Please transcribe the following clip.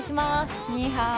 ニーハオ。